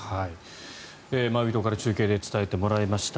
マウイ島から中継で伝えてもらいました。